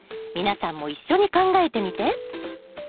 皆さんも一緒に考えてみて。